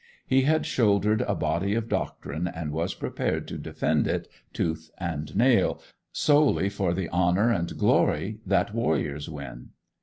He had shouldered a body of doctrine, and was prepared to defend it tooth and nail, solely for the honour and glory that warriors win.